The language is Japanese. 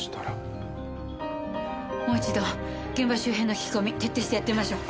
もう一度現場周辺の聞き込み徹底してやってみましょう。